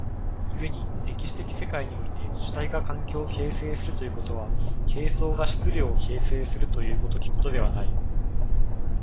故に歴史的世界において主体が環境を形成するということは、形相が質料を形成するという如きことではない。